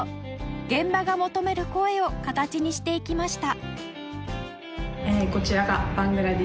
現場が求める声を形にしていきました